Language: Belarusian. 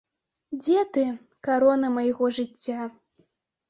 Дзе ты, карона майго жыцця?